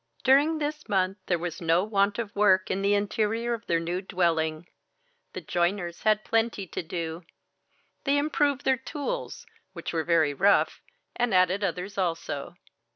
During this month there was no want of work in the interior of their new dwelling. The joiners had plenty to do. They improved their tools, which were very rough, and added others also.